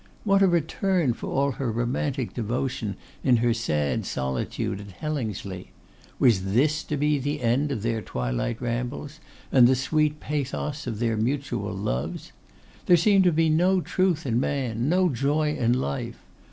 What a return for all her romantic devotion in her sad solitude at Hellingsley. Was this the end of their twilight rambles, and the sweet pathos of their mutual loves? There seemed to be no truth in man, no joy in life!